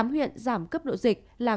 tám huyện giảm cấp độ dịch là